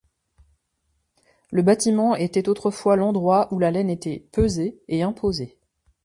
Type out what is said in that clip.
Le bâtiment était autrefois l'endroit ou la laine était pesée et imposée.